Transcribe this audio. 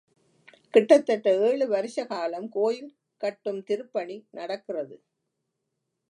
கிட்டத்தட்ட ஏழு வருஷகாலம் கோயில் கட்டும் திருப்பணி நடக்கிறது.